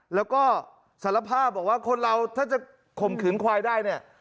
แล้วก็สารภาพบอกว่าคนเราถ้าจะข่มขืนควายได้เนี่ย